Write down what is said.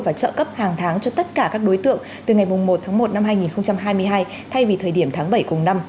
và trợ cấp hàng tháng cho tất cả các đối tượng từ ngày một tháng một năm hai nghìn hai mươi hai thay vì thời điểm tháng bảy cùng năm